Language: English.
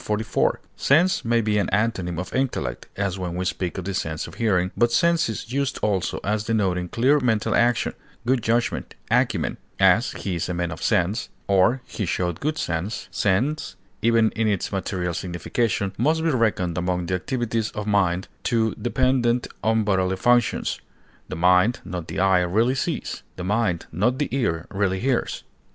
Sense may be an antonym of intellect, as when we speak of the sense of hearing; but sense is used also as denoting clear mental action, good judgment, acumen; as, he is a man of sense, or, he showed good sense; sense, even in its material signification, must be reckoned among the activities of mind, tho dependent on bodily functions; the mind, not the eye, really sees; the mind, not the ear, really hears.